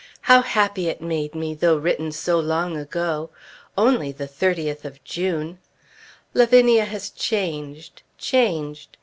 How happy it made me, though written so long ago! Only the 30th of June! Lavinia has changed, changed.